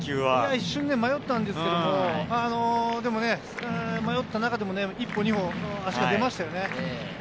一瞬迷ったんですけど、迷った中でも１歩２歩、足が出ましたよね。